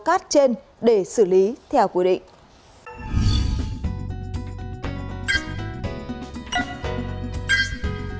các cát trên để xử lý theo quy định